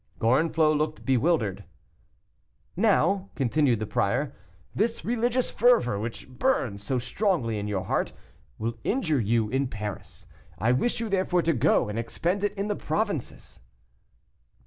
Gorenflot looked bewildered. "Now," continued the prior, "this religious fervor, which burns so strongly in your heart, will injure you in Paris. I wish you therefore to go and expend it in the provinces."